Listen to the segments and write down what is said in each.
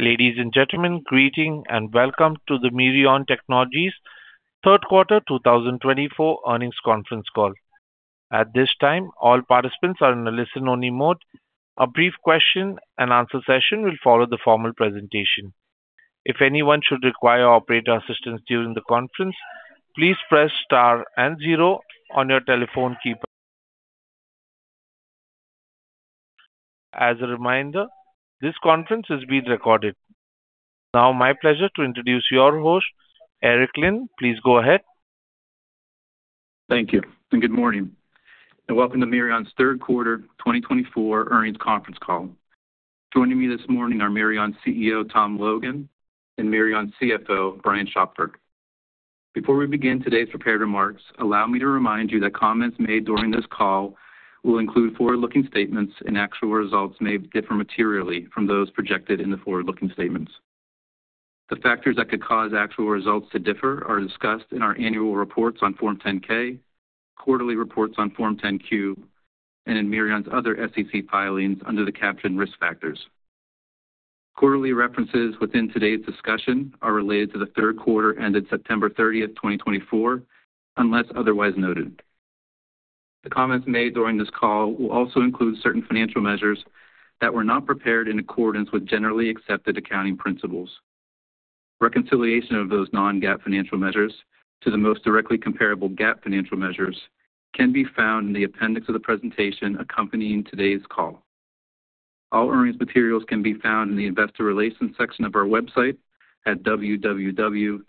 Ladies and gentlemen, greetings and welcome to the Mirion Technologies Q3 2024 Earnings Conference Call. At this time, all participants are in a listen-only mode. A brief question-and-answer session will follow the formal presentation. If anyone should require operator assistance during the conference, please press star and star zero on your telephone keypad. As a reminder, this conference is being recorded. Now, it's my pleasure to introduce your host, Eric Linn. Please go ahead. Thank you, and good morning and welcome to Mirion's Q3 2024 Earnings Conference Call. Joining me this morning are Mirion CEO Tom Logan and Mirion CFO Brian Schopfer. Before we begin today's prepared remarks, allow me to remind you that comments made during this call will include forward-looking statements, and actual results may differ materially from those projected in the forward-looking statements. The factors that could cause actual results to differ are discussed in our annual reports on Form 10-K, quarterly reports on Form 10-Q, and in Mirion's other SEC filings under the captioned risk factors. Quarterly references within today's discussion are related to the Q3 ended September 30th, 2024, unless otherwise noted. The comments made during this call will also include certain financial measures that were not prepared in accordance with generally accepted accounting principles. Reconciliation of those non-GAAP financial measures to the most directly comparable GAAP financial measures can be found in the appendix of the presentation accompanying today's call. All earnings materials can be found in the investor relations section of our website at www.mirion.com.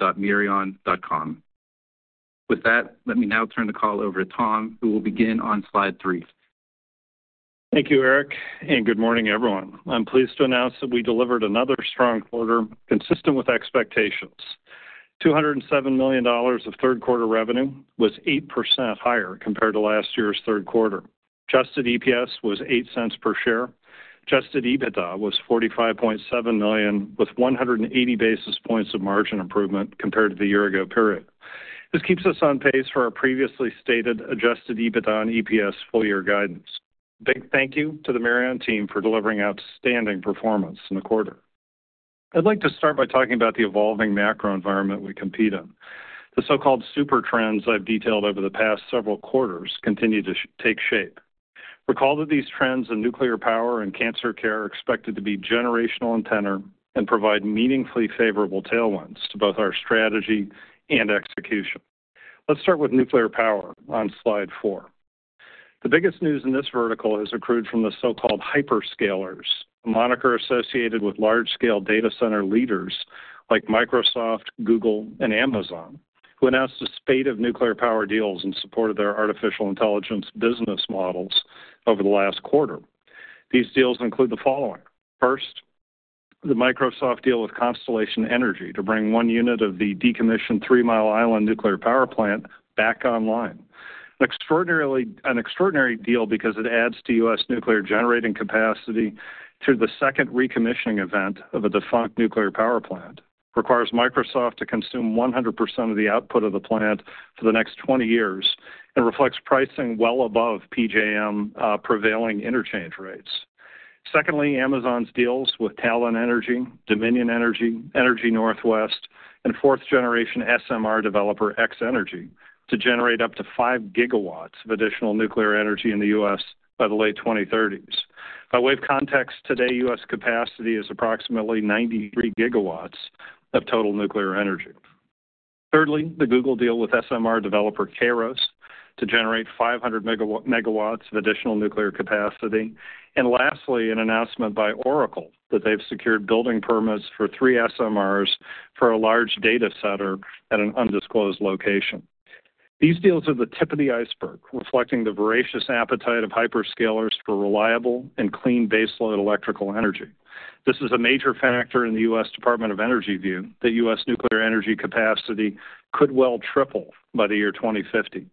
With that, let me now turn the call over to Tom, who will begin on slide three. Thank you, Eric, and good morning, everyone. I'm pleased to announce that we delivered another strong quarter consistent with expectations. $207 million of Q3 revenue was 8% higher compared to last year's Q3. Adjusted EPS was $0.08 per share. Adjusted EBITDA was $45.7 million, with 180 basis points of margin improvement compared to the year ago period. This keeps us on pace for our previously stated adjusted EBITDA and EPS full-year guidance. A big thank you to the Mirion team for delivering outstanding performance in the quarter. I'd like to start by talking about the evolving macro environment we compete in. The so-called super trends I've detailed over the past several quarters continue to take shape. Recall that these trends in nuclear power and cancer care are expected to be generational and tenor, and provide meaningfully favorable tailwinds to both our strategy and execution. Let's start with nuclear power on slide four. The biggest news in this vertical has accrued from the so-called hyperscalers, a moniker associated with large-scale data center leaders like Microsoft, Google, and Amazon, who announced a spate of nuclear power deals in support of their artificial intelligence business models over the last quarter. These deals include the following: first, the Microsoft deal with Constellation Energy to bring one unit of the decommissioned Three Mile Island nuclear power plant back online. An extraordinary deal because it adds to U.S. nuclear generating capacity through the second recommissioning event of a defunct nuclear power plant. It requires Microsoft to consume 100% of the output of the plant for the next 20 years and reflects pricing well above PJM prevailing interchange rates. Secondly, Amazon's deals with Talen Energy, Dominion Energy, Energy Northwest, and fourth-generation SMR developer X-energy to generate up to 5 GW of additional nuclear energy in the U.S. by the late 2030s. By way of context, today U.S. capacity is approximately 93 GW of total nuclear energy. Thirdly, the Google deal with SMR developer Kairos to generate 500 megawatts of additional nuclear capacity. And lastly, an announcement by Oracle that they've secured building permits for three SMRs for a large data center at an undisclosed location. These deals are the tip of the iceberg, reflecting the voracious appetite of hyperscalers for reliable and clean baseload electrical energy. This is a major factor in the U.S. Department of Energy view that U.S. nuclear energy capacity could well triple by the year 2050.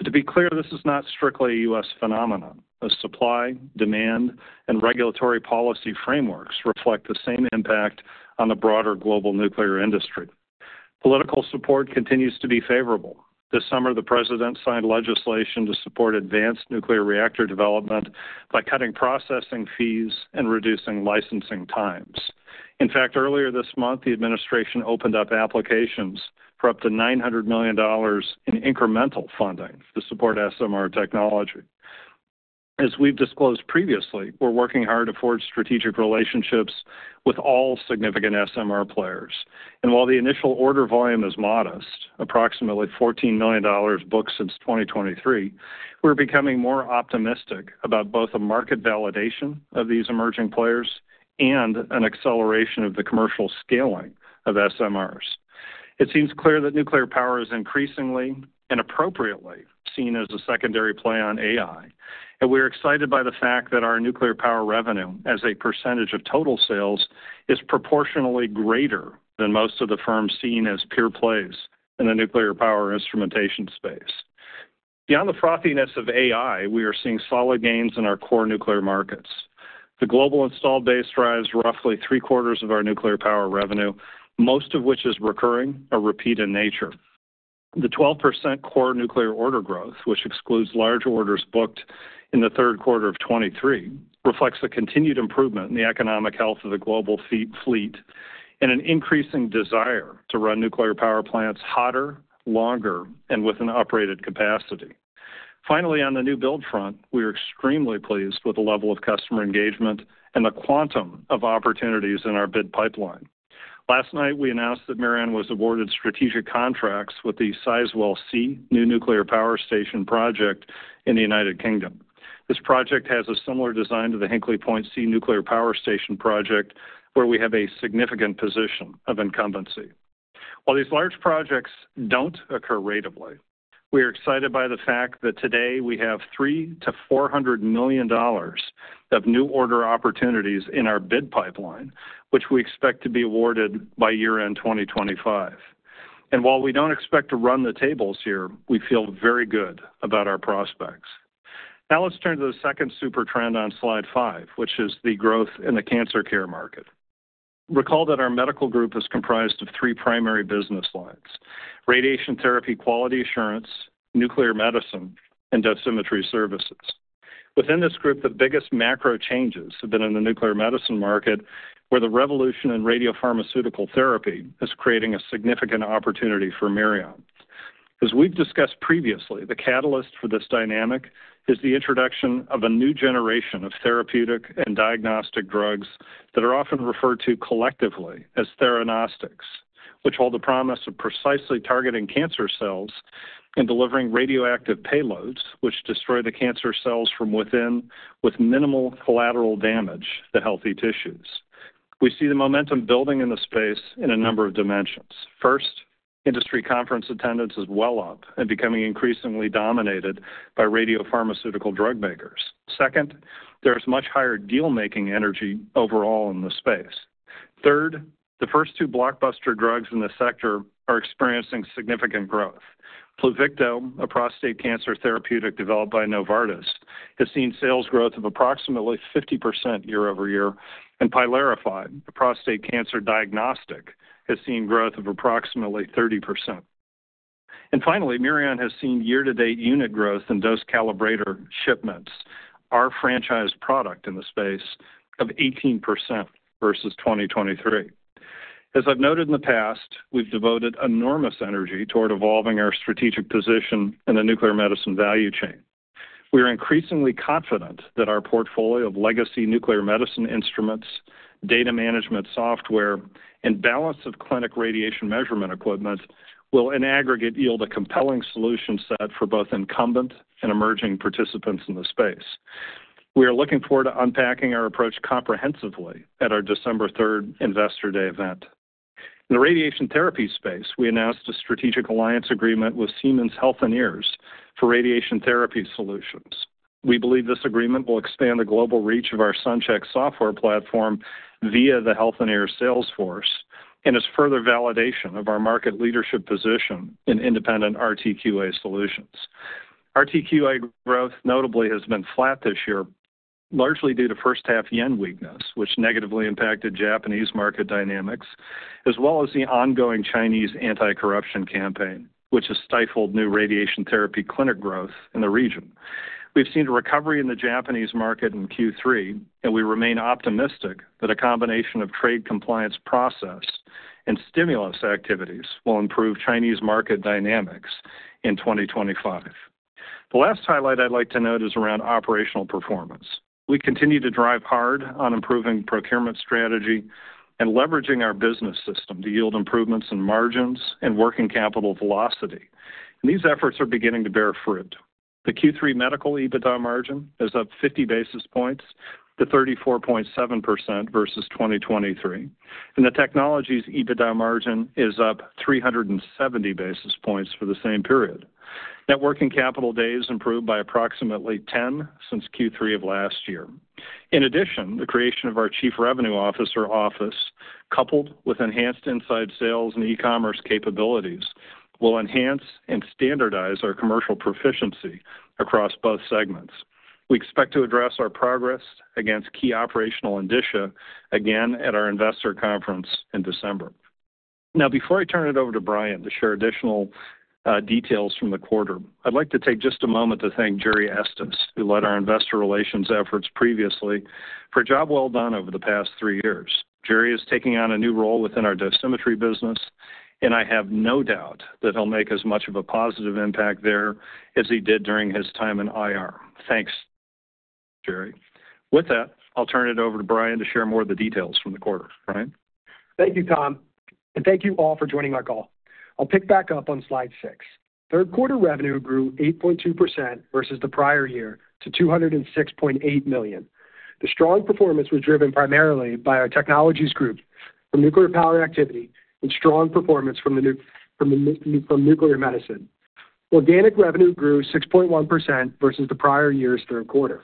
But to be clear, this is not strictly a U.S. phenomenon. The supply, demand, and regulatory policy frameworks reflect the same impact on the broader global nuclear industry. Political support continues to be favorable. This summer, the president signed legislation to support advanced nuclear reactor development by cutting processing fees and reducing licensing times. In fact, earlier this month, the administration opened up applications for up to $900 million in incremental funding to support SMR technology. As we've disclosed previously, we're working hard to forge strategic relationships with all significant SMR players. And while the initial order volume is modest, approximately $14 million booked since 2023, we're becoming more optimistic about both a market validation of these emerging players and an acceleration of the commercial scaling of SMRs. It seems clear that nuclear power is increasingly and appropriately seen as a secondary play on AI. And we're excited by the fact that our nuclear power revenue, as a percentage of total sales, is proportionally greater than most of the firms seen as pure plays in the nuclear power instrumentation space. Beyond the frothiness of AI, we are seeing solid gains in our core nuclear markets. The global installed base drives roughly three-quarters of our nuclear power revenue, most of which is recurring or repeat in nature. The 12% core nuclear order growth, which excludes large orders booked in the Q3 of 2023, reflects a continued improvement in the economic health of the global fleet and an increasing desire to run nuclear power plants hotter, longer, and with an uprated capacity. Finally, on the new build front, we are extremely pleased with the level of customer engagement and the quantum of opportunities in our bid pipeline. Last night, we announced that Mirion was awarded strategic contracts with the Sizewell C new nuclear power station project in the United Kingdom. This project has a similar design to the Hinkley Point C nuclear power station project, where we have a significant position of incumbency. While these large projects don't occur rateably, we are excited by the fact that today we have $300-$400 million of new order opportunities in our bid pipeline, which we expect to be awarded by year-end 2025. While we don't expect to run the tables here, we feel very good about our prospects. Now let's turn to the second super trend on slide five, which is the growth in the cancer care market. Recall that our medical group is comprised of three primary business lines: radiation therapy quality assurance, nuclear medicine, and dosimetry services. Within this group, the biggest macro changes have been in the nuclear medicine market, where the revolution in radiopharmaceutical therapy is creating a significant opportunity for Mirion. As we've discussed previously, the catalyst for this dynamic is the introduction of a new generation of therapeutic and diagnostic drugs that are often referred to collectively as theranostics, which hold the promise of precisely targeting cancer cells and delivering radioactive payloads which destroy the cancer cells from within with minimal collateral damage to healthy tissues. We see the momentum building in the space in a number of dimensions. First, industry conference attendance is well up and becoming increasingly dominated by radiopharmaceutical drug makers. Second, there is much higher dealmaking energy overall in the space. Third, the first two blockbuster drugs in the sector are experiencing significant growth. Pluvicto, a prostate cancer therapeutic developed by Novartis, has seen sales growth of approximately 50% year-over-year, and Pylarify, a prostate cancer diagnostic, has seen growth of approximately 30%. Finally, Mirion has seen year-to-date unit growth in dose calibrator shipments, our franchise product in the space, of 18% versus 2023. As I've noted in the past, we've devoted enormous energy toward evolving our strategic position in the nuclear medicine value chain. We are increasingly confident that our portfolio of legacy nuclear medicine instruments, data management software, and balance of clinic radiation measurement equipment will, in aggregate, yield a compelling solution set for both incumbent and emerging participants in the space. We are looking forward to unpacking our approach comprehensively at our December 3rd Investor Day event. In the radiation therapy space, we announced a strategic alliance agreement with Siemens Healthineers for radiation therapy solutions. We believe this agreement will expand the global reach of our SunCheck software platform via the Siemens Healthineers sales force and is further validation of our market leadership position in independent RTQA solutions. RTQA growth, notably, has been flat this year, largely due to first-half yen weakness, which negatively impacted Japanese market dynamics, as well as the ongoing Chinese anti-corruption campaign, which has stifled new radiation therapy clinic growth in the region. We've seen a recovery in the Japanese market in Q3, and we remain optimistic that a combination of trade compliance process and stimulus activities will improve Chinese market dynamics in 2025. The last highlight I'd like to note is around operational performance. We continue to drive hard on improving procurement strategy and leveraging our business system to yield improvements in margins and working capital velocity. And these efforts are beginning to bear fruit. The Q3 medical EBITDA margin is up 50 basis points to 34.7% versus 2023, and the Technology & Analytics EBITDA margin is up 370 basis points for the same period. Net working capital days has improved by approximately 10 since Q3 of last year. In addition, the creation of our Chief Revenue Officer office, coupled with enhanced inside sales and e-commerce capabilities, will enhance and standardize our commercial proficiency across both segments. We expect to address our progress against key operational indicators again at our investor conference in December. Now, before I turn it over to Brian to share additional details from the quarter, I'd like to take just a moment to thank Jerry Estes, who led our investor relations efforts previously for a job well done over the past three years. Jerry is taking on a new role within our dosimetry business, and I have no doubt that he'll make as much of a positive impact there as he did during his time in IR. Thanks, Jerry. With that, I'll turn it over to Brian to share more of the details from the quarter. Brian? Thank you, Tom, and thank you all for joining our call. I'll pick back up on slide six. Q3 revenue grew 8.2% versus the prior year to $206.8 million. The strong performance was driven primarily by our technologies group from nuclear power activity and strong performance from nuclear medicine. Organic revenue grew 6.1% versus the prior year's third quarter.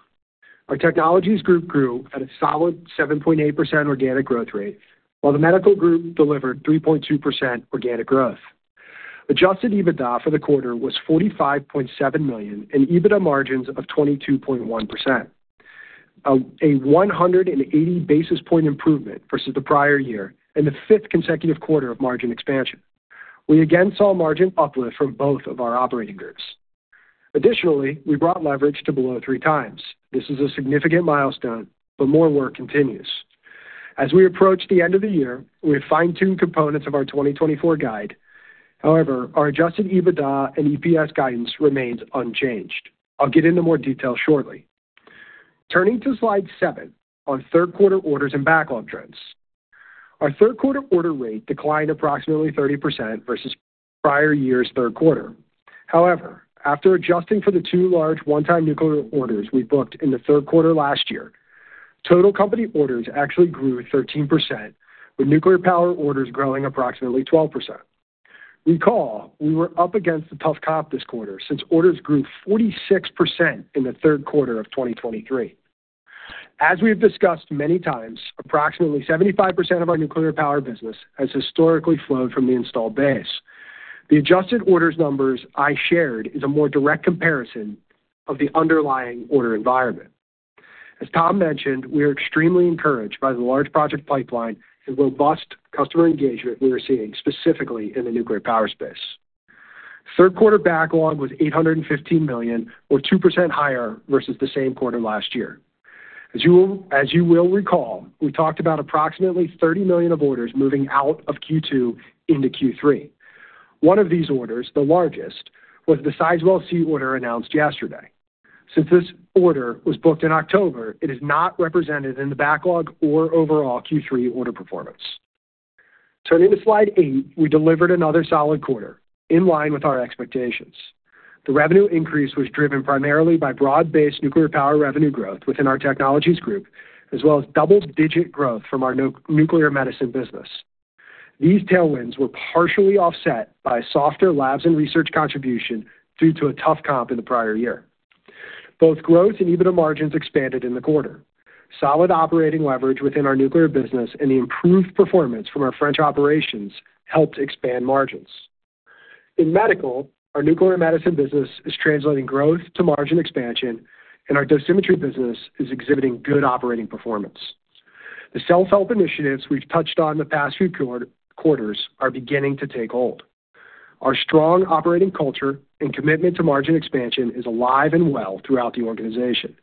Our technologies group grew at a solid 7.8% organic growth rate, while the medical group delivered 3.2% organic growth. Adjusted EBITDA for the quarter was $45.7 million and EBITDA margins of 22.1%, a 180 basis points improvement versus the prior year and the fifth consecutive quarter of margin expansion. We again saw margin uplift from both of our operating groups. Additionally, we brought leverage to below three times. This is a significant milestone, but more work continues. As we approach the end of the year, we have fine-tuned components of our 2024 guide. However, our Adjusted EBITDA and EPS guidance remains unchanged. I'll get into more detail shortly. Turning to slide seven on Q3 orders and backlog trends. Our Q3 order rate declined approximately 30% versus prior year's third quarter. However, after adjusting for the two large one-time nuclear orders we booked in the Q3 last year, total company orders actually grew 13%, with nuclear power orders growing approximately 12%. Recall, we were up against the tough comp this quarter since orders grew 46% in the Q3 of 2023. As we have discussed many times, approximately 75% of our nuclear power business has historically flowed from the installed base. The adjusted orders numbers I shared is a more direct comparison of the underlying order environment. As Tom mentioned, we are extremely encouraged by the large project pipeline and robust customer engagement we are seeing specifically in the nuclear power space. Q3 backlog was $815 million, or 2% higher versus the same quarter last year. As you will recall, we talked about approximately $30 million of orders moving out of Q2 into Q3. One of these orders, the largest, was the Sizewell C order announced yesterday. Since this order was booked in October, it is not represented in the backlog or overall Q3 order performance. Turning to slide eight, we delivered another solid quarter in line with our expectations. The revenue increase was driven primarily by broad-based nuclear power revenue growth within our technologies group, as well as double-digit growth from our nuclear medicine business. These tailwinds were partially offset by a softer labs and research contribution due to a tough comp in the prior year. Both growth and EBITDA margins expanded in the quarter. Solid operating leverage within our nuclear business and the improved performance from our French operations helped expand margins. In medical, our nuclear medicine business is translating growth to margin expansion, and our dosimetry business is exhibiting good operating performance. The self-help initiatives we've touched on the past few quarters are beginning to take hold. Our strong operating culture and commitment to margin expansion is alive and well throughout the organization.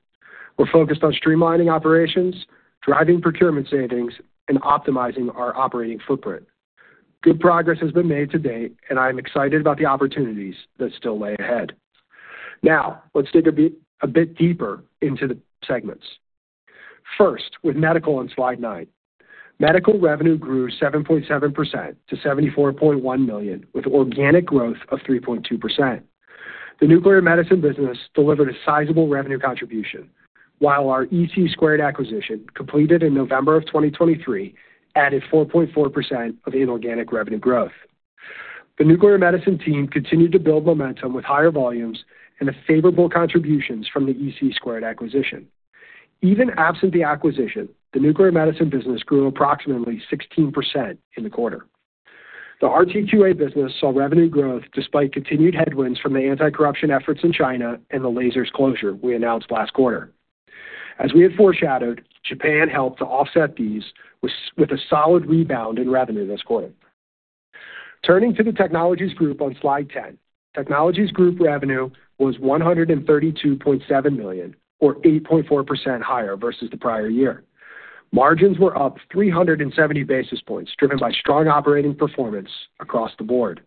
We're focused on streamlining operations, driving procurement savings, and optimizing our operating footprint. Good progress has been made to date, and I am excited about the opportunities that still lay ahead. Now, let's dig a bit deeper into the segments. First, with medical on slide nine, medical revenue grew 7.7%-$74.1 million, with organic growth of 3.2%. The nuclear medicine business delivered a sizable revenue contribution, while our EC Squared acquisition, completed in November of 2023, added 4.4% of inorganic revenue growth. The nuclear medicine team continued to build momentum with higher volumes and favorable contributions from the EC Squared acquisition. Even absent the acquisition, the nuclear medicine business grew approximately 16% in the quarter. The RTQA business saw revenue growth despite continued headwinds from the anti-corruption efforts in China and the Lazzara closure we announced last quarter. As we had foreshadowed, Japan helped to offset these with a solid rebound in revenue this quarter. Turning to the technologies group on slide 10, technologies group revenue was $132.7 million, or 8.4% higher versus the prior year. Margins were up 370 basis points, driven by strong operating performance across the board.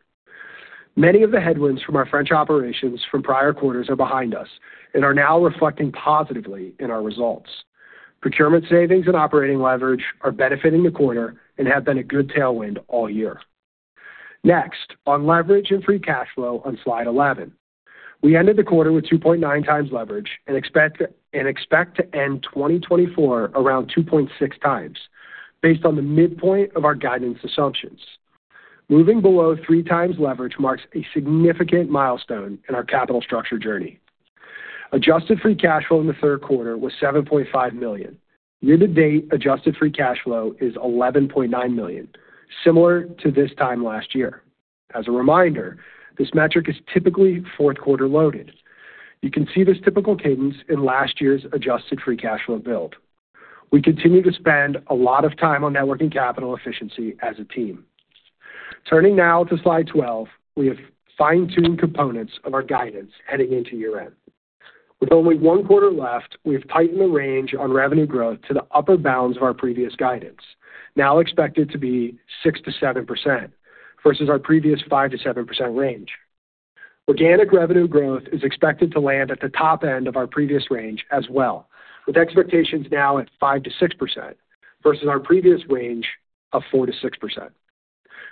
Many of the headwinds from our French operations from prior quarters are behind us and are now reflecting positively in our results. Procurement savings and operating leverage are benefiting the quarter and have been a good tailwind all year. Next, on leverage and free cash flow on slide 11, we ended the quarter with 2.9 times leverage and expect to end 2024 around 2.6 times, based on the midpoint of our guidance assumptions. Moving below three times leverage marks a significant milestone in our capital structure journey. Adjusted free cash flow in the third quarter was $7.5 million. Year-to-date, adjusted free cash flow is $11.9 million, similar to this time last year. As a reminder, this metric is typically Q4 loaded. You can see this typical cadence in last year's adjusted free cash flow build. We continue to spend a lot of time on net working capital efficiency as a team. Turning now to slide 12, we have fine-tuned components of our guidance heading into year-end. With only one quarter left, we have tightened the range on revenue growth to the upper bounds of our previous guidance, now expected to be 6%-7% versus our previous 5%-7% range. Organic revenue growth is expected to land at the top end of our previous range as well, with expectations now at 5%-6% versus our previous range of 4%-6%.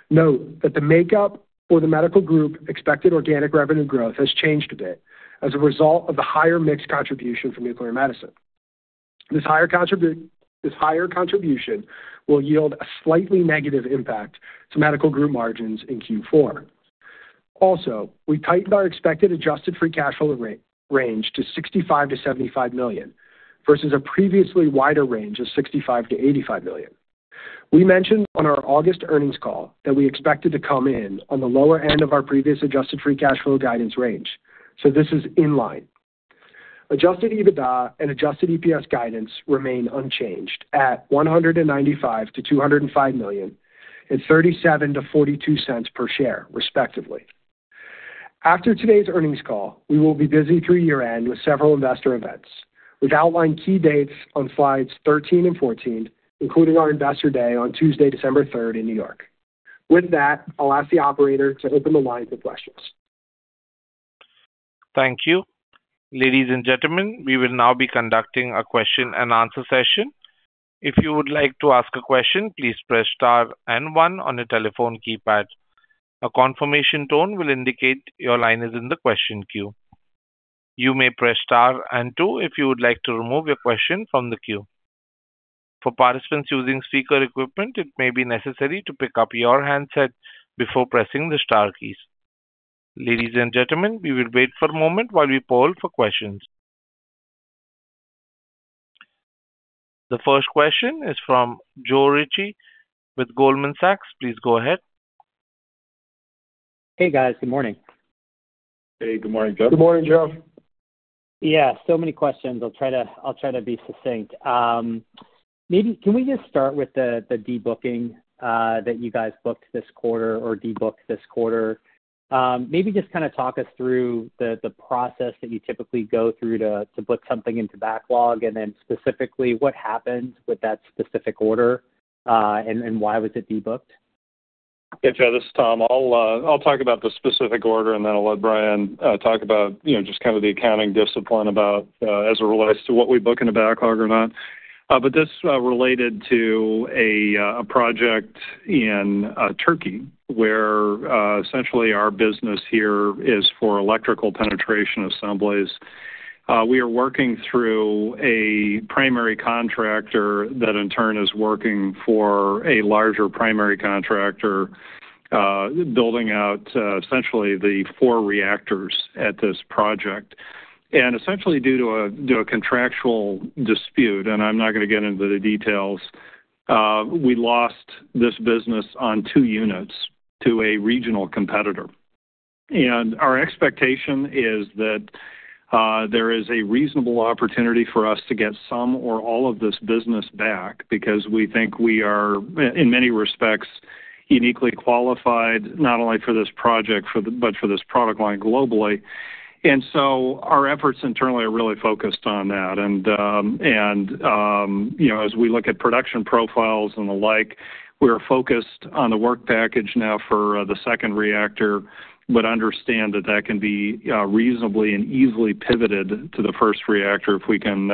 Note that the makeup for the medical group expected organic revenue growth has changed a bit as a result of the higher mix contribution from nuclear medicine. This higher contribution will yield a slightly negative impact to medical group margins in Q4. Also, we tightened our expected adjusted free cash flow range to $65 million-$75 million versus a previously wider range of $65 million-$85 million. We mentioned on our August earnings call that we expected to come in on the lower end of our previous adjusted free cash flow guidance range, so this is in line. Adjusted EBITDA and adjusted EPS guidance remain unchanged at $195 million-$205 million and $0.37-$0.42 per share, respectively. After today's earnings call, we will be busy through year-end with several investor events. We've outlined key dates on slides 13 and 14, including our investor day on Tuesday, December 3rd, in New York. With that, I'll ask the operator to open the line for questions. Thank you. Ladies and gentlemen, we will now be conducting a question-and-answer session. If you would like to ask a question, please press star and one on the telephone keypad. A confirmation tone will indicate your line is in the question queue. You may press star and two if you would like to remove your question from the queue. For participants using speaker equipment, it may be necessary to pick up your handset before pressing the star keys. Ladies and gentlemen, we will wait for a moment while we poll for questions. The first question is from Joe Ritchie with Goldman Sachs. Please go ahead. Hey, guys. Good morning. Hey, good morning, Joe. Good morning, Joe. Yeah, so many questions. I'll try to be succinct. Can we just start with the debooking that you guys booked this quarter or debooked this quarter? Maybe just kind of talk us through the process that you typically go through to book something into backlog, and then specifically what happened with that specific order and why was it debooked? Yeah, Joe, this is Tom. I'll talk about the specific order, and then I'll let Brian talk about just kind of the accounting discipline as it relates to what we book into backlog or not. But this related to a project in Turkey where essentially our business here is for electrical penetration assemblies. We are working through a primary contractor that in turn is working for a larger primary contractor, building out essentially the four reactors at this project. And essentially due to a contractual dispute, and I'm not going to get into the details, we lost this business on two units to a regional competitor. And our expectation is that there is a reasonable opportunity for us to get some or all of this business back because we think we are, in many respects, uniquely qualified not only for this project, but for this product line globally. So our efforts internally are really focused on that. As we look at production profiles and the like, we are focused on the work package now for the second reactor, but understand that that can be reasonably and easily pivoted to the first reactor if we can,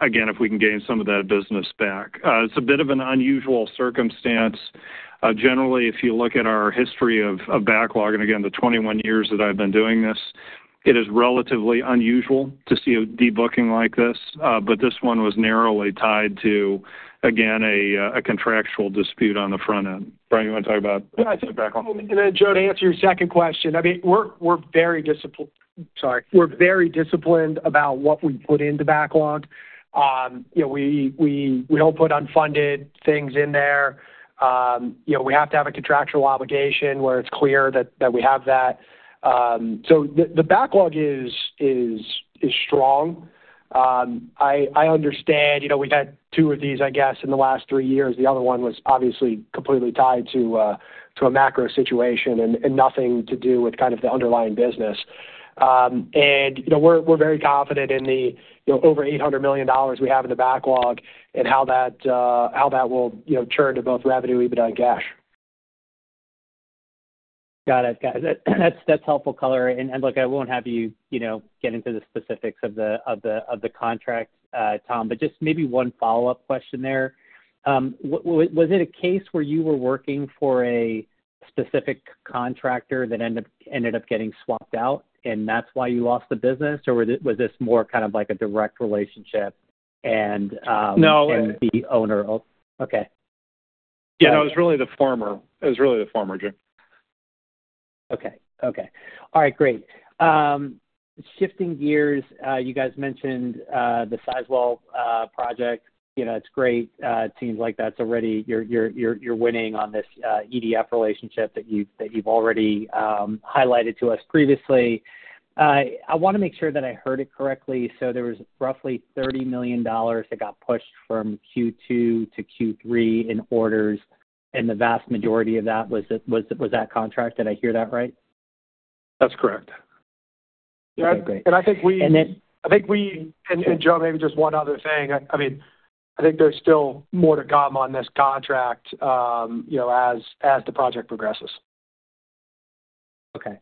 again, if we can gain some of that business back. It's a bit of an unusual circumstance. Generally, if you look at our history of backlog, and again, the 21 years that I've been doing this, it is relatively unusual to see a debooking like this, but this one was narrowly tied to, again, a contractual dispute on the front end. Brian, you want to talk about backlog? And then, Joe, to answer your second question, I mean, we're very disciplined. Sorry. We're very disciplined about what we put into backlog. We don't put unfunded things in there. We have to have a contractual obligation where it's clear that we have that. So the backlog is strong. I understand we've had two of these, I guess, in the last three years. The other one was obviously completely tied to a macro situation and nothing to do with kind of the underlying business. And we're very confident in the over $800 million we have in the backlog and how that will churn to both revenue, EBITDA, and cash. Got it. That's helpful, caller. And look, I won't have you get into the specifics of the contract, Tom, but just maybe one follow-up question there. Was it a case where you were working for a specific contractor that ended up getting swapped out, and that's why you lost the business, or was this more kind of like a direct relationship and the owner? No. Okay. Yeah, that was really the former. It was really the former, Joe. Okay. Okay. All right. Great. Shifting gears, you guys mentioned the Sizewell project. It's great. It seems like that's already you're winning on this EDF relationship that you've already highlighted to us previously. I want to make sure that I heard it correctly. So there was roughly $30 million that got pushed from Q2-Q3 in orders, and the vast majority of that was that contract. Did I hear that right? That's correct. Yeah, and I think we. And then. Joe, maybe just one other thing. I mean, I think there's still more to come on this contract as the project progresses. Okay.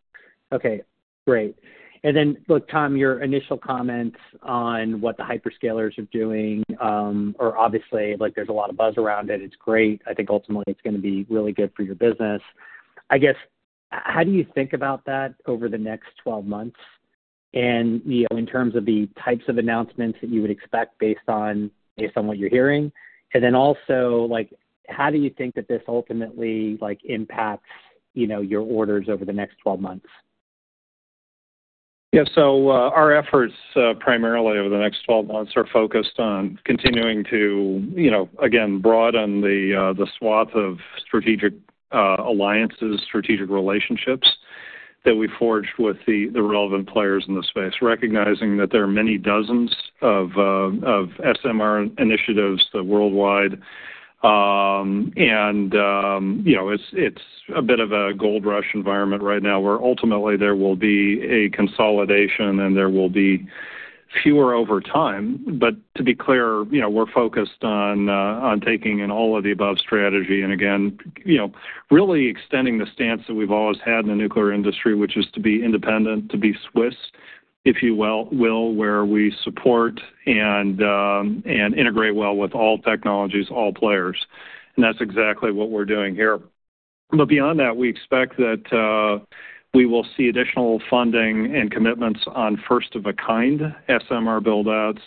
Okay. Great. And then, look, Tom, your initial comments on what the hyperscalers are doing are obviously. There's a lot of buzz around it. It's great. I think ultimately it's going to be really good for your business. I guess, how do you think about that over the next 12 months in terms of the types of announcements that you would expect based on what you're hearing? And then also, how do you think that this ultimately impacts your orders over the next 12 months? Yeah. So our efforts primarily over the next 12 months are focused on continuing to, again, broaden the swath of strategic alliances, strategic relationships that we forged with the relevant players in the space, recognizing that there are many dozens of SMR initiatives worldwide. And it's a bit of a gold rush environment right now where ultimately there will be a consolidation, and there will be fewer over time. But to be clear, we're focused on taking in all of the above strategy and, again, really extending the stance that we've always had in the nuclear industry, which is to be independent, to be Swiss, if you will, where we support and integrate well with all technologies, all players. And that's exactly what we're doing here. But beyond that, we expect that we will see additional funding and commitments on first-of-a-kind SMR buildouts,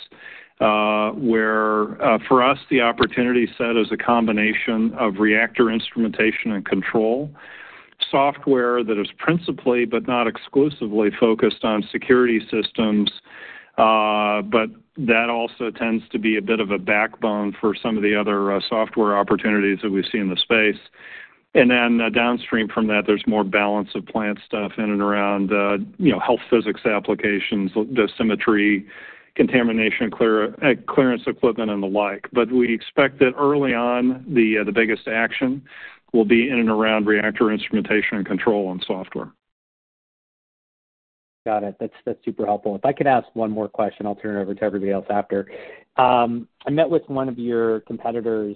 where for us, the opportunity set is a combination of reactor instrumentation and control software that is principally but not exclusively focused on security systems, but that also tends to be a bit of a backbone for some of the other software opportunities that we see in the space. And then downstream from that, there's more balance of plant stuff in and around health physics applications, dosimetry, contamination clearance equipment, and the like. But we expect that early on, the biggest action will be in and around reactor instrumentation and control and software. Got it. That's super helpful. If I could ask one more question, I'll turn it over to everybody else after. I met with one of your competitors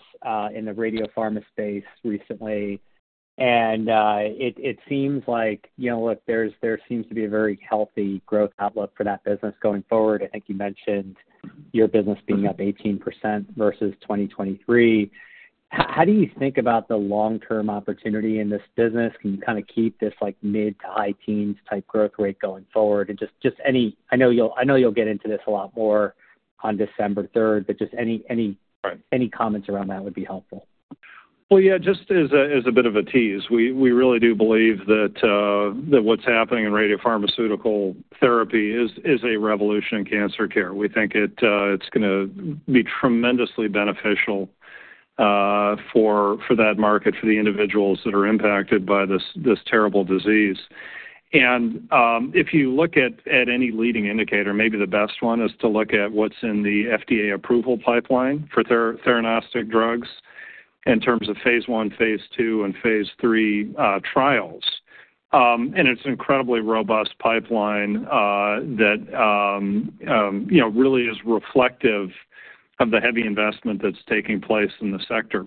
in the radiopharma space recently, and it seems like, look, there seems to be a very healthy growth outlook for that business going forward. I think you mentioned your business being up 18% versus 2023. How do you think about the long-term opportunity in this business? Can you kind of keep this mid to high teens type growth rate going forward? And just any, I know you'll get into this a lot more on December 3rd, but just any comments around that would be helpful. Just as a bit of a tease, we really do believe that what's happening in radiopharmaceutical therapy is a revolution in cancer care. We think it's going to be tremendously beneficial for that market, for the individuals that are impacted by this terrible disease. If you look at any leading indicator, maybe the best one is to look at what's in the FDA approval pipeline for theranostic drugs in terms of phase one, phase II, and phase III trials. It's an incredibly robust pipeline that really is reflective of the heavy investment that's taking place in the sector.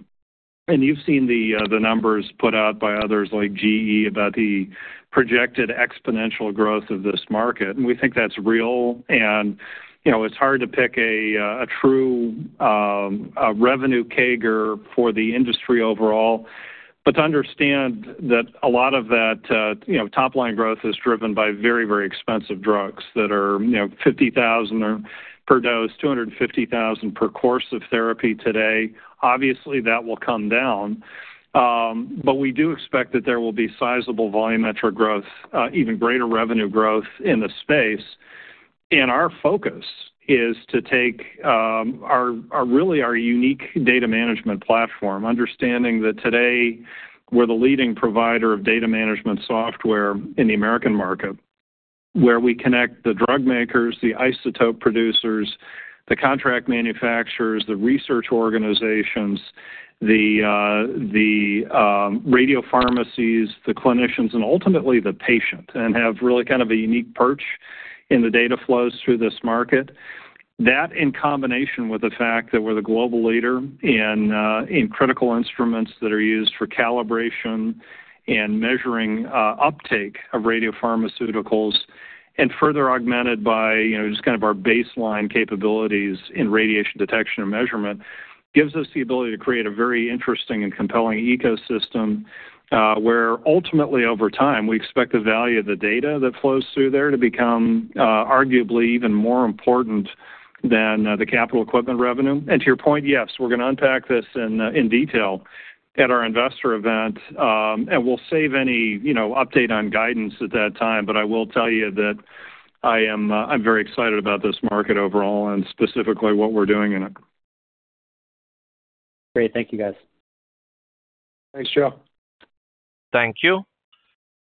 You've seen the numbers put out by others like GE about the projected exponential growth of this market. We think that's real. It's hard to pick a true revenue CAGR for the industry overall, but to understand that a lot of that top-line growth is driven by very, very expensive drugs that are $50,000 per dose, $250,000 per course of therapy today. Obviously, that will come down, but we do expect that there will be sizable volumetric growth, even greater revenue growth in the space. Our focus is to take really our unique data management platform, understanding that today we're the leading provider of data management software in the American market, where we connect the drug makers, the isotope producers, the contract manufacturers, the research organizations, the radiopharmacies, the clinicians, and ultimately the patient, and have really kind of a unique perch in the data flows through this market. That, in combination with the fact that we're the global leader in critical instruments that are used for calibration and measuring uptake of radiopharmaceuticals, and further augmented by just kind of our baseline capabilities in radiation detection and measurement, gives us the ability to create a very interesting and compelling ecosystem where ultimately, over time, we expect the value of the data that flows through there to become arguably even more important than the capital equipment revenue. And to your point, yes, we're going to unpack this in detail at our investor event, and we'll save any update on guidance at that time. But I will tell you that I'm very excited about this market overall and specifically what we're doing in it. Great. Thank you, guys. Thanks, Joe. Thank you.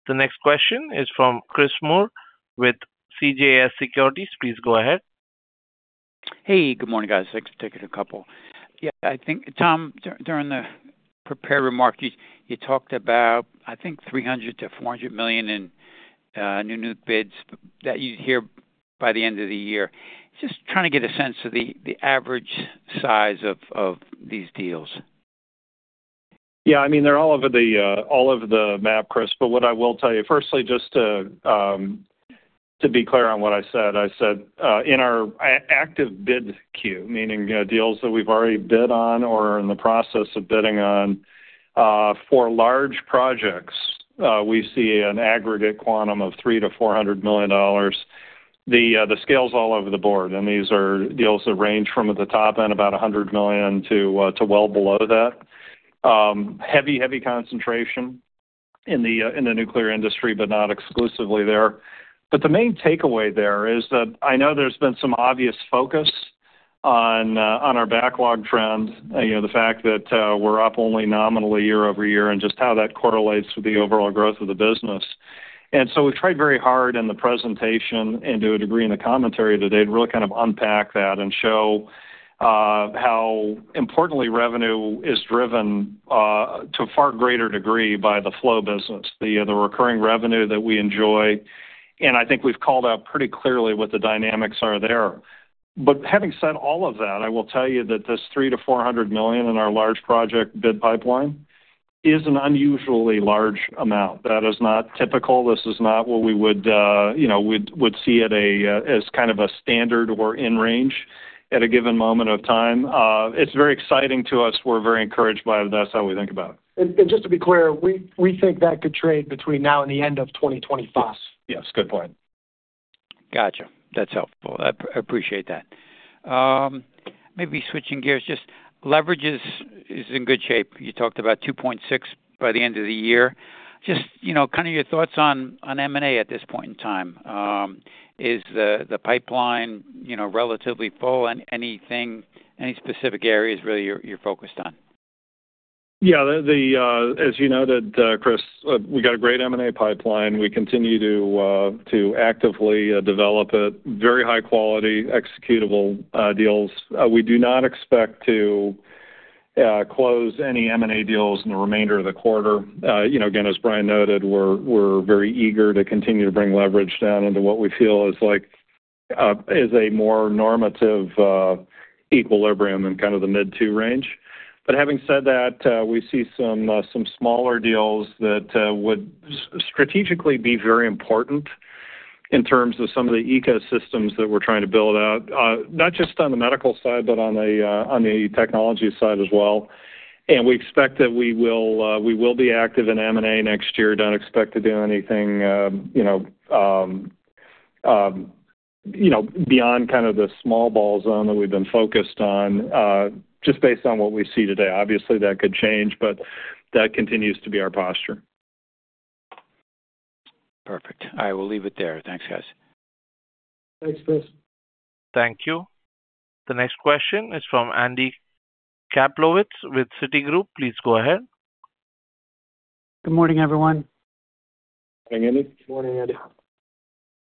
The next question is from Chris Moore with CJS Securities. Please go ahead. Hey, good morning, guys. Thanks for taking a couple. Yeah, I think, Tom, during the prepared remark, you talked about, I think, $300 million-$400 million in new bids. That you'd hear by the end of the year. Just trying to get a sense of the average size of these deals. Yeah. I mean, they're all over the map, Chris. But what I will tell you, firstly, just to be clear on what I said, I said in our active bid queue, meaning deals that we've already bid on or are in the process of bidding on, for large projects, we see an aggregate quantum of $300 million-$400 million. The scale's all over the board, and these are deals that range from at the top end, about $100 million, to well below that. Heavy, heavy concentration in the nuclear industry, but not exclusively there. But the main takeaway there is that I know there's been some obvious focus on our backlog trend, the fact that we're up only nominally year-over-year and just how that correlates with the overall growth of the business. And so we've tried very hard in the presentation and to a degree in the commentary today to really kind of unpack that and show how importantly revenue is driven to a far greater degree by the flow business, the recurring revenue that we enjoy. And I think we've called out pretty clearly what the dynamics are there. But having said all of that, I will tell you that this $300-$400 million in our large project bid pipeline is an unusually large amount. That is not typical. This is not what we would see as kind of a standard or in range at a given moment of time. It's very exciting to us. We're very encouraged by it. That's how we think about it. Just to be clear, we think that could trade between now and the end of 2025. Yes. Yes. Good point. Gotcha. That's helpful. I appreciate that. Maybe switching gears, just leverage is in good shape. You talked about 2.6 by the end of the year. Just kind of your thoughts on M&A at this point in time. Is the pipeline relatively full? Any specific areas really you're focused on? Yeah. As you noted, Chris, we got a great M&A pipeline. We continue to actively develop it. Very high-quality, executable deals. We do not expect to close any M&A deals in the remainder of the quarter. Again, as Brian noted, we're very eager to continue to bring leverage down into what we feel is a more normative equilibrium in kind of the mid two range. But having said that, we see some smaller deals that would strategically be very important in terms of some of the ecosystems that we're trying to build out, not just on the medical side, but on the technology side as well. And we expect that we will be active in M&A next year. Don't expect to do anything beyond kind of the small ball zone that we've been focused on, just based on what we see today. Obviously, that could change, but that continues to be our posture. Perfect. All right. We'll leave it there. Thanks, guys. Thanks, Chris. Thank you. The next question is from Andy Kaplowitz with Citigroup. Please go ahead. Good morning, everyone. Morning, Andy. Morning, Andy.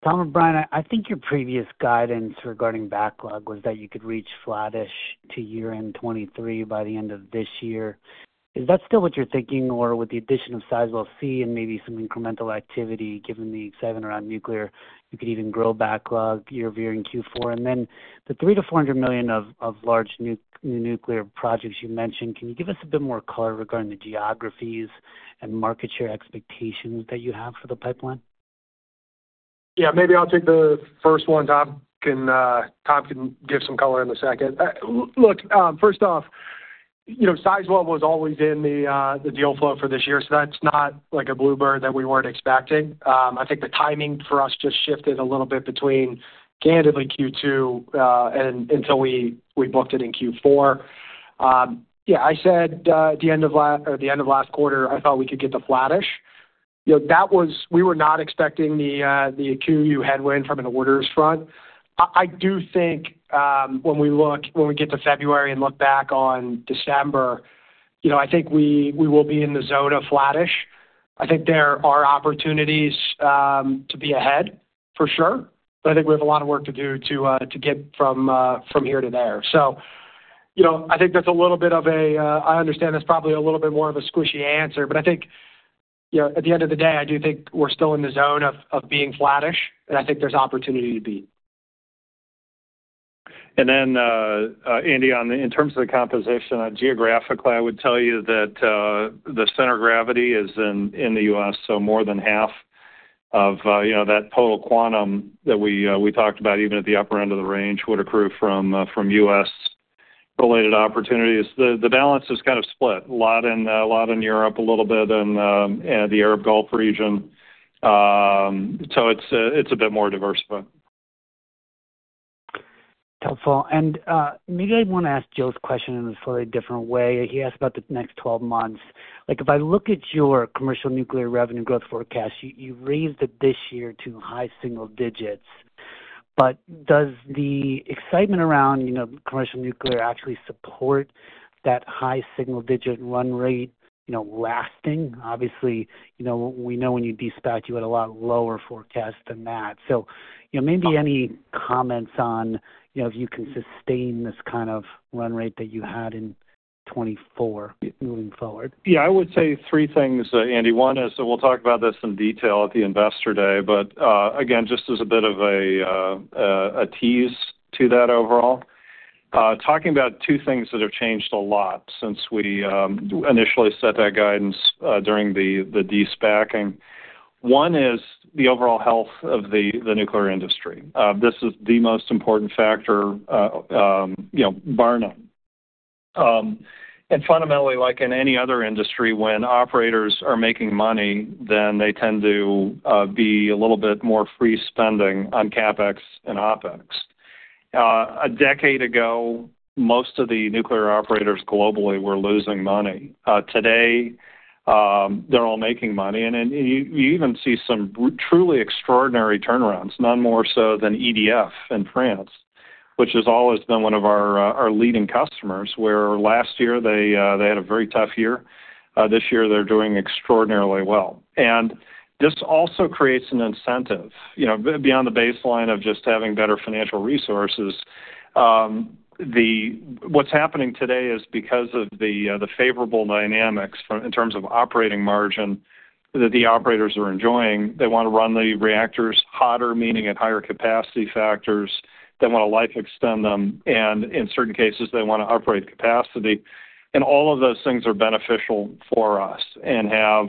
Tom and Brian, I think your previous guidance regarding backlog was that you could reach flattish to year-end 2023 by the end of this year. Is that still what you're thinking, or with the addition of Sizewell C and maybe some incremental activity, given the excitement around nuclear, you could even grow backlog year-over-year in Q4? And then the 300-400 million of large new nuclear projects you mentioned, can you give us a bit more color regarding the geographies and market share expectations that you have for the pipeline? Yeah. Maybe I'll take the first one. Tom can give some color in the second. Look, first off, Sizewell was always in the deal flow for this year, so that's not a bluebird that we weren't expecting. I think the timing for us just shifted a little bit between candidly Q2 and until we booked it in Q4. Yeah. I said at the end of last year or the end of last quarter, I thought we could get the flattish. We were not expecting the FX headwind from an orders front. I do think when we get to February and look back on December, I think we will be in the zone of flattish. I think there are opportunities to be ahead for sure, but I think we have a lot of work to do to get from here to there. So I think that's a little bit of a, I understand that's probably a little bit more of a squishy answer, but I think at the end of the day, I do think we're still in the zone of being flattish, and I think there's opportunity to beat. And then, Andy, in terms of the composition, geographically, I would tell you that the center of gravity is in the U.S., so more than half of that total quantum that we talked about, even at the upper end of the range, would accrue from U.S.-related opportunities. The balance is kind of split. A lot in Europe, a little bit in the Arab Gulf region. So it's a bit more diversified. Helpful. And maybe I want to ask Joe's question in a slightly different way. He asked about the next 12 months. If I look at your commercial nuclear revenue growth forecast, you raised it this year to high single digits. But does the excitement around commercial nuclear actually support that high single-digit run rate lasting? Obviously, we know when you dispatch, you had a lot lower forecast than that. So maybe any comments on if you can sustain this kind of run rate that you had in 2024 moving forward? Yeah. I would say three things, Andy. One is we'll talk about this in detail at the Investor Day, but again, just as a bit of a tease to that overall. Talking about two things that have changed a lot since we initially set that guidance during the de-SPACing. One is the overall health of the nuclear industry. This is the most important factor, bar none. And fundamentally, like in any other industry, when operators are making money, then they tend to be a little bit more free-spending on CapEx and OPEX. A decade ago, most of the nuclear operators globally were losing money. Today, they're all making money. And you even see some truly extraordinary turnarounds, none more so than EDF in France, which has always been one of our leading customers, where last year they had a very tough year. This year, they're doing extraordinarily well. This also creates an incentive. Beyond the baseline of just having better financial resources, what's happening today is because of the favorable dynamics in terms of operating margin that the operators are enjoying. They want to run the reactors hotter, meaning at higher capacity factors. They want to life extend them. And in certain cases, they want to upgrade capacity. And all of those things are beneficial for us and have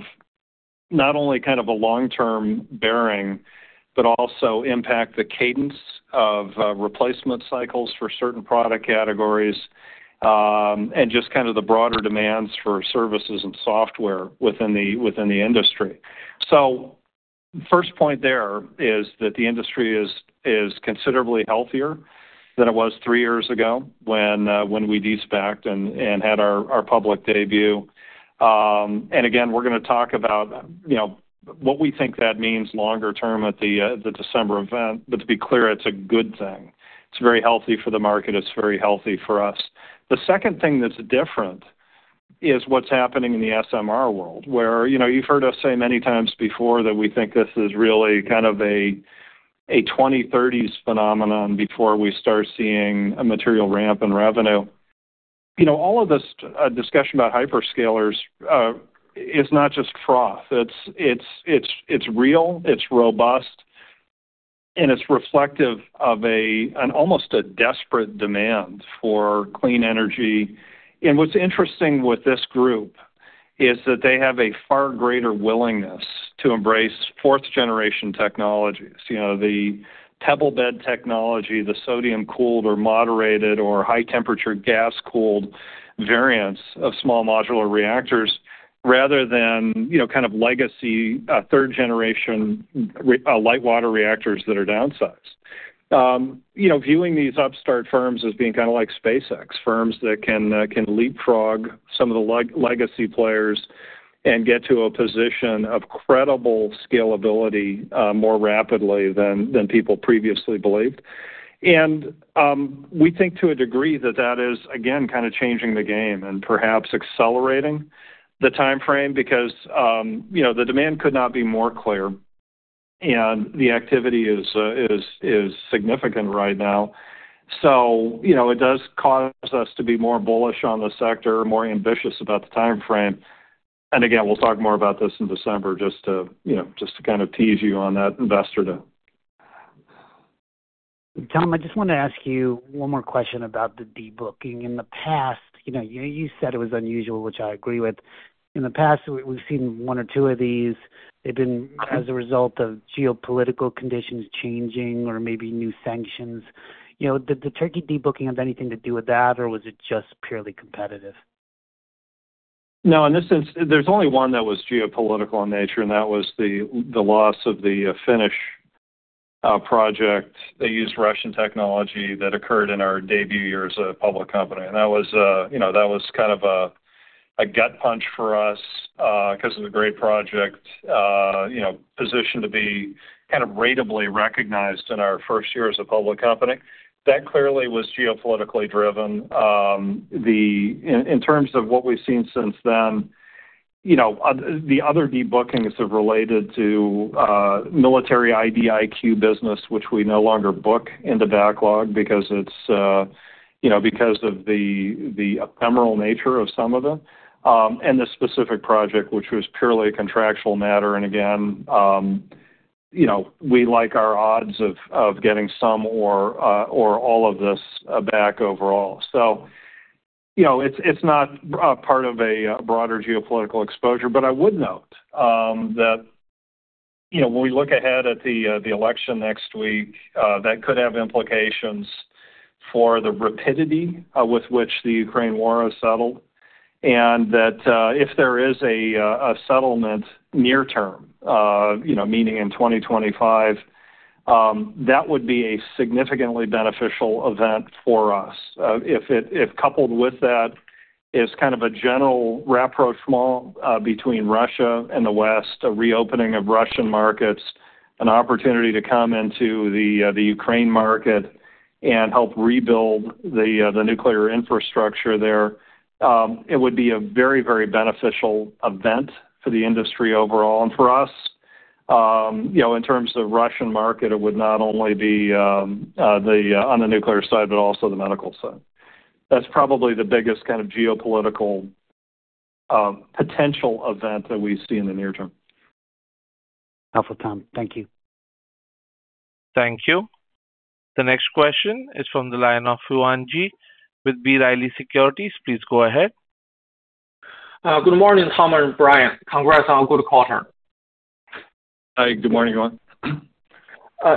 not only kind of a long-term bearing, but also impact the cadence of replacement cycles for certain product categories and just kind of the broader demands for services and software within the industry. So first point there is that the industry is considerably healthier than it was three years ago when we de-SPACed and had our public debut. And again, we're going to talk about what we think that means longer term at the December event. But to be clear, it's a good thing. It's very healthy for the market. It's very healthy for us. The second thing that's different is what's happening in the SMR world, where you've heard us say many times before that we think this is really kind of a 2030s phenomenon before we start seeing a material ramp in revenue. All of this discussion about hyperscalers is not just froth. It's real. It's robust. And it's reflective of almost a desperate demand for clean energy. And what's interesting with this group is that they have a far greater willingness to embrace fourth-generation technologies, the pebble bed technology, the sodium-cooled or moderated or high-temperature gas-cooled variants of small modular reactors, rather than kind of legacy third-generation light water reactors that are downsized. Viewing these upstart firms as being kind of like SpaceX, firms that can leapfrog some of the legacy players and get to a position of credible scalability more rapidly than people previously believed. And we think to a degree that that is, again, kind of changing the game and perhaps accelerating the timeframe because the demand could not be more clear, and the activity is significant right now. So it does cause us to be more bullish on the sector, more ambitious about the timeframe. And again, we'll talk more about this in December just to kind of tease you on that investor day. Tom, I just want to ask you one more question about the debooking. In the past, you said it was unusual, which I agree with. In the past, we've seen one or two of these. They've been as a result of geopolitical conditions changing or maybe new sanctions. Did the Turkey debooking have anything to do with that, or was it just purely competitive? No. In this sense, there's only one that was geopolitical in nature, and that was the loss of the Finnish project. They used Russian technology that occurred in our debut year as a public company. And that was kind of a gut punch for us because it was a great project, positioned to be kind of ratably recognized in our first year as a public company. That clearly was geopolitically driven. In terms of what we've seen since then, the other debookings have related to military IDIQ business, which we no longer book into backlog because of the ephemeral nature of some of it, and the specific project, which was purely a contractual matter. And again, we like our odds of getting some or all of this back overall. So it's not part of a broader geopolitical exposure. But I would note that when we look ahead at the election next week, that could have implications for the rapidity with which the Ukraine war has settled, and that if there is a settlement near term, meaning in 2025, that would be a significantly beneficial event for us. If coupled with that is kind of a general rapprochement between Russia and the West, a reopening of Russian markets, an opportunity to come into the Ukraine market and help rebuild the nuclear infrastructure there, it would be a very, very beneficial event for the industry overall. And for us, in terms of the Russian market, it would not only be on the nuclear side, but also the medical side. That's probably the biggest kind of geopolitical potential event that we see in the near term. Helpful, Tom. Thank you. Thank you. The next question is from the line of Yuan Zhi with B. Riley Securities. Please go ahead. Good morning, Tom and Brian. Congrats on a good quarter. Hi. Good morning, everyone.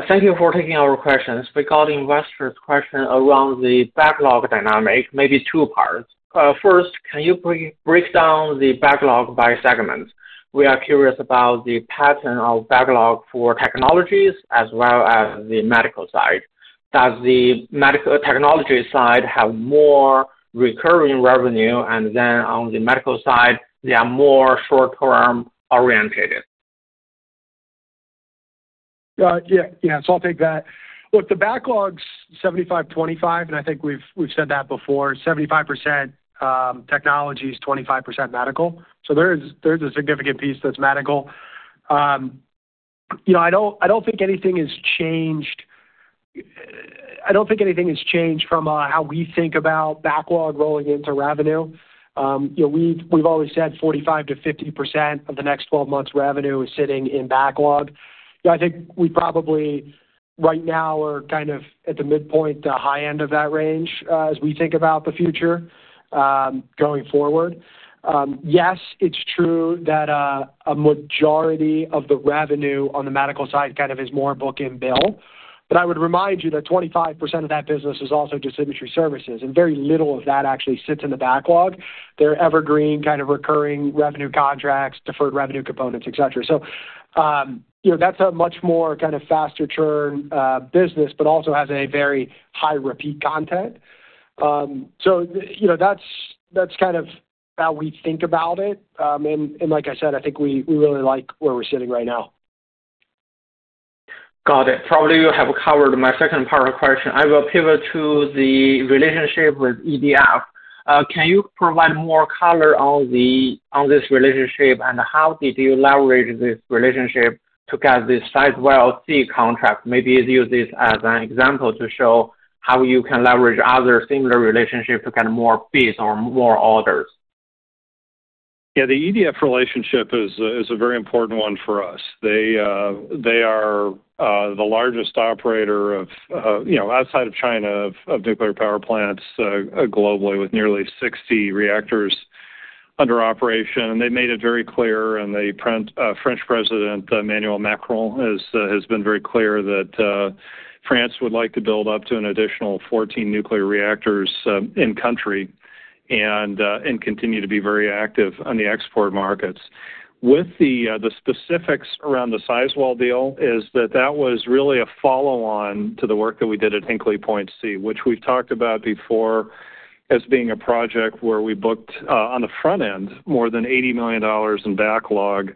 Thank you for taking our questions. We got investors' questions around the backlog dynamic, maybe two parts. First, can you break down the backlog by segments? We are curious about the pattern of backlog for technologies as well as the medical side. Does the technology side have more recurring revenue, and then on the medical side, they are more short-term orientated? Yeah. Yeah. So I'll take that. Look, the backlog's 75%-25%, and I think we've said that before. 75% technologies, 25% medical. So there's a significant piece that's medical. I don't think anything has changed. I don't think anything has changed from how we think about backlog rolling into revenue. We've always said 45%-50% of the next 12 months' revenue is sitting in backlog. I think we probably right now are kind of at the midpoint to high end of that range as we think about the future going forward. Yes, it's true that a majority of the revenue on the medical side kind of is more book and bill. But I would remind you that 25% of that business is also just imaging services, and very little of that actually sits in the backlog. They're evergreen kind of recurring revenue contracts, deferred revenue components, etc. So that's a much more kind of faster churn business, but also has a very high repeat content. So that's kind of how we think about it. And like I said, I think we really like where we're sitting right now. Got it. Probably you have covered my second part of the question. I will pivot to the relationship with EDF. Can you provide more color on this relationship, and how did you leverage this relationship to get this Sizewell C contract? Maybe use this as an example to show how you can leverage other similar relationships to get more bids or more orders. Yeah. The EDF relationship is a very important one for us. They are the largest operator outside of China of nuclear power plants globally with nearly 60 reactors under operation, and they made it very clear, and French President Emmanuel Macron has been very clear that France would like to build up to an additional 14 nuclear reactors in-country and continue to be very active on the export markets. With the specifics around the Sizewell deal is that that was really a follow-on to the work that we did at Hinkley Point C, which we've talked about before as being a project where we booked on the front end more than $80 million in backlog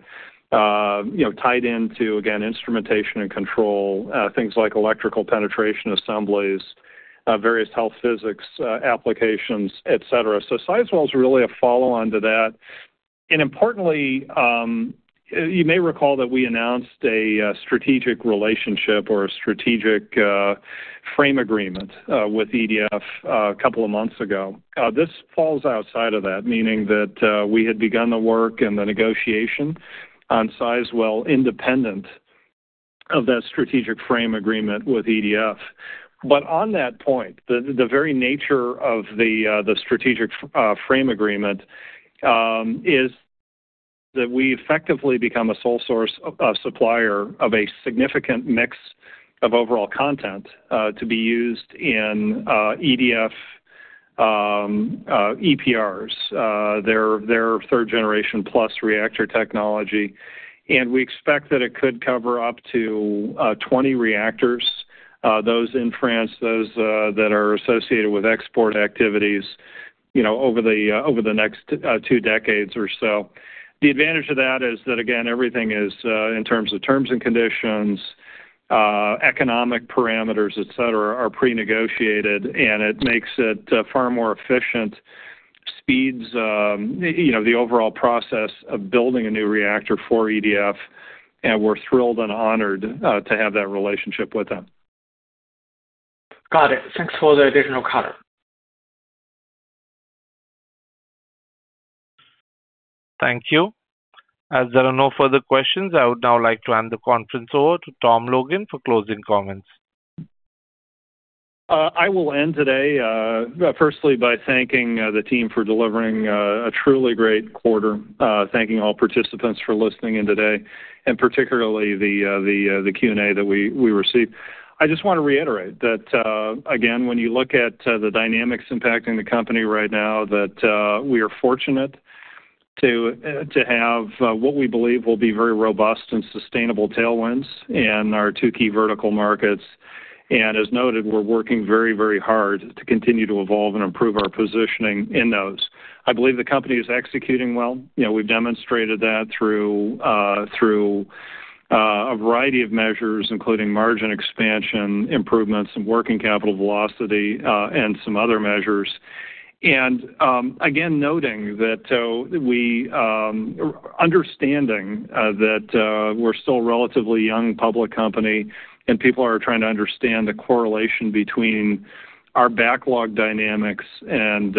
tied into, again, instrumentation and control, things like electrical penetration assemblies, various health physics applications, etc. So Sizewell is really a follow-on to that. Importantly, you may recall that we announced a strategic relationship or a Strategic Frame Agreement with EDF a couple of months ago. This falls outside of that, meaning that we had begun the work and the negotiation on Sizewell independent of that Strategic Frame Agreement with EDF. On that point, the very nature of the Strategic Frame Agreement is that we effectively become a sole source supplier of a significant mix of overall content to be used in EDF EPRs, their third-generation plus reactor technology. We expect that it could cover up to 20 reactors, those in France, those that are associated with export activities over the next two decades or so. The advantage of that is that, again, everything is in terms of terms and conditions, economic parameters, etc., are pre-negotiated, and it makes it far more efficient, speeds the overall process of building a new reactor for EDF, and we're thrilled and honored to have that relationship with them. Got it. Thanks for the additional color. Thank you. As there are no further questions, I would now like to hand the conference over to Tom Logan for closing comments. I will end today, firstly, by thanking the team for delivering a truly great quarter, thanking all participants for listening in today, and particularly the Q&A that we received. I just want to reiterate that, again, when you look at the dynamics impacting the company right now, that we are fortunate to have what we believe will be very robust and sustainable tailwinds in our two key vertical markets. And as noted, we're working very, very hard to continue to evolve and improve our positioning in those. I believe the company is executing well. We've demonstrated that through a variety of measures, including margin expansion improvements and working capital velocity and some other measures. And again, noting that we understand that we're still a relatively young public company and people are trying to understand the correlation between our backlog dynamics and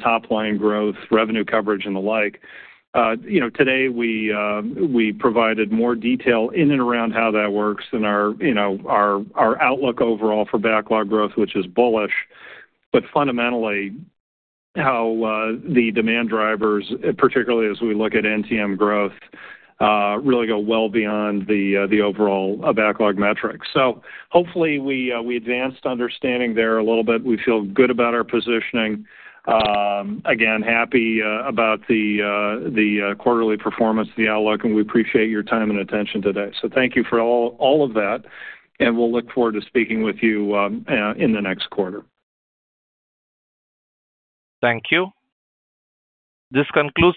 top-line growth, revenue coverage, and the like. Today, we provided more detail in and around how that works and our outlook overall for backlog growth, which is bullish, but fundamentally how the demand drivers, particularly as we look at NTM growth, really go well beyond the overall backlog metrics. So hopefully, we advanced understanding there a little bit. We feel good about our positioning. Again, happy about the quarterly performance, the outlook, and we appreciate your time and attention today. So thank you for all of that, and we'll look forward to speaking with you in the next quarter. Thank you. This concludes.